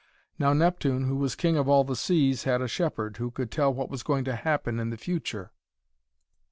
Now Neptune, who was king of all the seas, had a shepherd who could tell what was going to happen in the future.